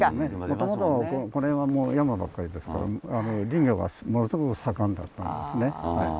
もともとこの辺は山ばっかりですから林業がものすごく盛んだったんですね。